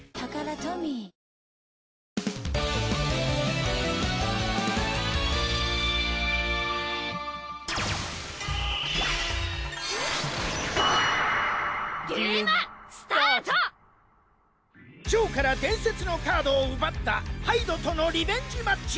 ジョーから伝説のカードを奪ったハイドとのリベンジマッチ。